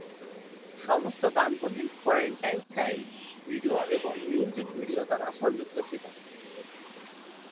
সমস্ত গানগুলি "quarantine style" video এবং মিউজিক ভিডিও দ্বারা সংযুক্ত ছিল।